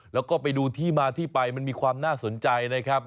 แล้วก็ไปดูที่มาที่ไปมันมีความน่าสนใจนะครับ